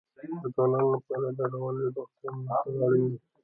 د ځوانانو لپاره د رواني روغتیا ملاتړ اړین دی.